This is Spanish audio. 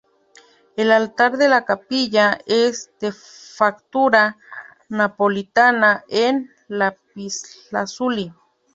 El altar de la capilla es de factura napolitana en lapislázuli.